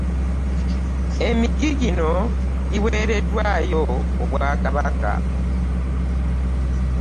Emiggi Gino giweereddwayo obwakabaka